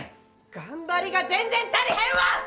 頑張りが全然足りへんわ！